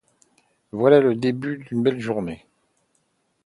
Voilà le début d’une belle journée.